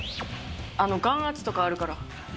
眼圧とかあるから。